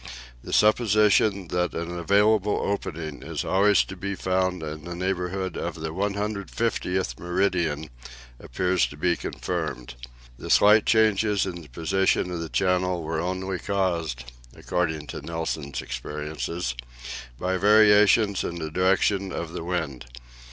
The supposition that an available opening is always to be found in the neighbourhood of the 150th meridian appears to be confirmed. The slight changes in the position of the channel were only caused, according to Nilsen's experiences, by variations in the direction of the wind.